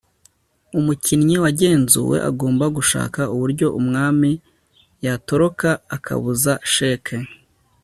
Umukinnyi wagenzuwe agomba gushaka uburyo umwami yatoroka akabuza cheque